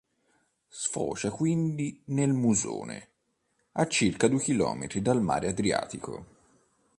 Sfocia quindi nel Musone a circa due chilometri dal Mare Adriatico.